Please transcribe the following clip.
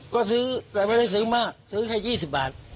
ก็ซื้อแต่ไม่ได้ซื้อมากซื้อแค่๒๐บาท